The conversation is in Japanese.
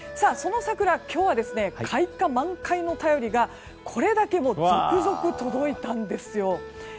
その桜、今日は開花、満開の便りがこれだけ続々届いたんですよ。